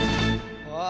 あ！